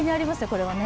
これはね。